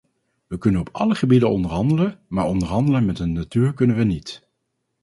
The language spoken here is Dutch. We kunnen op alle gebieden onderhandelen, maar onderhandelen met de natuur kunnen we niet.